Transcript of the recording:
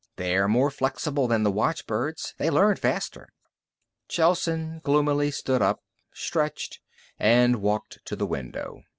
They're more flexible than the watchbirds. They learn faster." Gelsen gloomily stood up, stretched, and walked to the window.